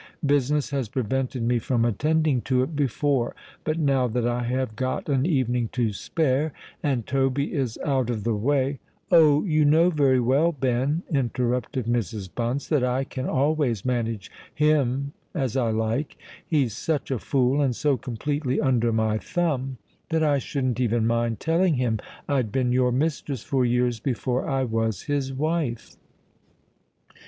Business has prevented me from attending to it before; but now that I have got an evening to spare—and Toby is out of the way——" "Oh! you know very well, Ben," interrupted Mrs. Bunce, "that I can always manage him as I like. He's such a fool, and so completely under my thumb, that I shouldn't even mind telling him I'd been your mistress for years before I was his wife."